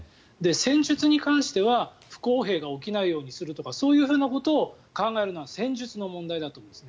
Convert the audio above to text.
戦術に関しては不公平が起きないようにするとかそういうことを考えるのは戦術の問題だと思います。